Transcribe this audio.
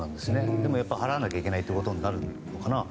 でも、やっぱり払わなきゃいけないことになるのかな。